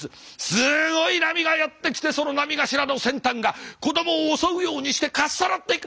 すごい波がやって来てその波頭の先端が子供を襲うようにしてかっさらっていく。